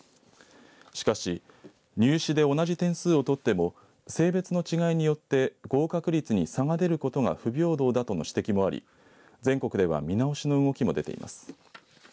しかし、入試で同じ点数を取っても性別の違いによって合格率に差が出ることが不平等だとの指摘もあり全国では見直しの動きも出ています。